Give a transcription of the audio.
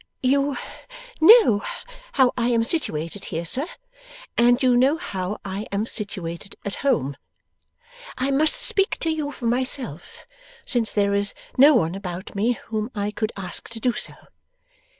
'You know how I am situated here, sir, and you know how I am situated at home. I must speak to you for myself, since there is no one about me whom I could ask to do so.